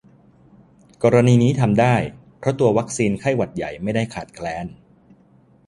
กรณีนี้ทำได้ เพราะตัววัคซีนไข้หวัดใหญ่ไม่ได้ขาดแคลน